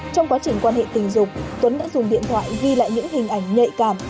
trong quá trình quan hệ tình dục tuấn đã dùng điện thoại ghi lại những hình ảnh nhạy cảm